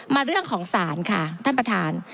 มาเรื่องของศาลค่ะท่านประธาน